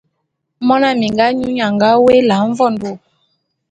Mona minga nyu nnye a nga woé Ela Mvondo.